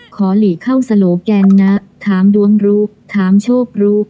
หลีเข้าสโลแกนนะถามดวงรู้ถามโชครู้